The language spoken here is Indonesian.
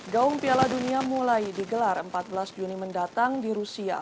gaung piala dunia mulai digelar empat belas juni mendatang di rusia